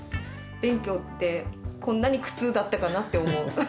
勉強って、こんなに苦痛だったかなって思う。